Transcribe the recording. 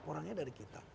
porangnya dari kita